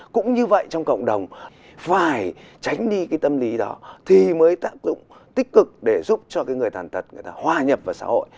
cũng như vậy trong cộng đồng phải tránh đi cái tâm lý đó thì mới tác dụng tích cực để giúp cho cái người thần tật họa nhập vào xã hội